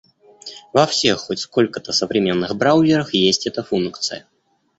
Во всех хоть сколько-то современных браузерах есть эта функция.